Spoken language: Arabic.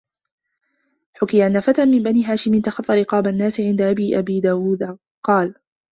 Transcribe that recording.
حُكِيَ أَنَّ فَتًى مِنْ بَنِي هَاشِمٍ تَخَطَّى رِقَابَ النَّاسِ عِنْدَ ابْنِ أَبِي دُؤَادٍ فَقَالَ